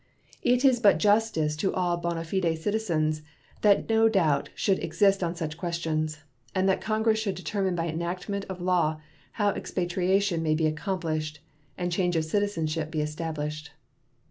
It is but justice to all bona fide citizens that no doubt should exist on such questions, and that Congress should determine by enactment of law how expatriation may be accomplished and change of citizenship be established.